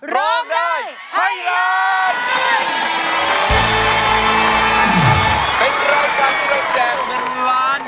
ร้องได้ให้ล้าน